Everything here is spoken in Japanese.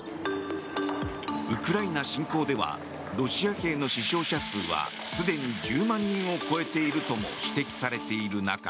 ウクライナ侵攻ではロシア兵の死傷者数はすでに１０万人を超えているとも指摘されている中